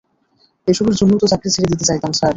এসবের জন্যই তো চাকরি ছেড়ে দিতে চাইতাম, স্যার।